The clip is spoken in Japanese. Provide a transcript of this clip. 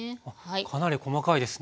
かなり細かいです。